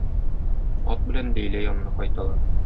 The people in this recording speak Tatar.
Ат белән Ләйлә янына кайталар.